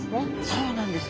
そうなんです。